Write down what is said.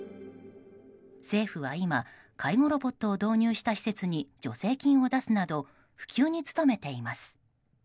政府は今介護ロボットを導入した施設に助成金を出すなど普及に努めています。